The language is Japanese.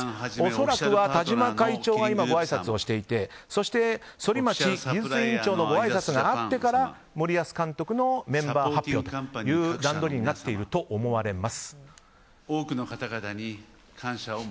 恐らくは田嶋会長が今、ごあいさつをしていてそして、反町技術委員長のごあいさつがあってから森保監督のメンバー発表という段取りになっていると思われます。